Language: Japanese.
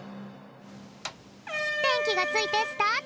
でんきがついてスタート！